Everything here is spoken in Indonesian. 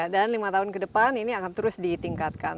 dan lima tahun ke depan ini akan terus ditingkatkan